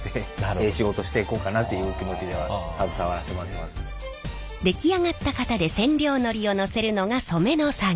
その方の仕事に出来上がった型で染料のりをのせるのが染めの作業。